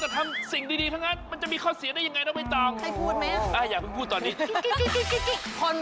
ข้อเสียนั่นเหรอมันมีนั่นเหรอ